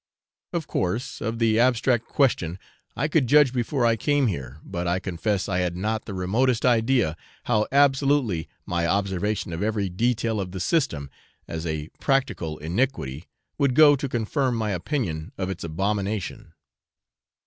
Of course, of the abstract question I could judge before I came here, but I confess I had not the remotest idea how absolutely my observation of every detail of the system, as a practical iniquity, would go to confirm my opinion of its abomination.